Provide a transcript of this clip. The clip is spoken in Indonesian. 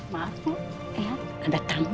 maaf ya ada terlalu